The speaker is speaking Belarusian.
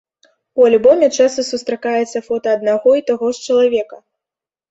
У альбоме часта сустракаецца фота аднаго і таго ж чалавека.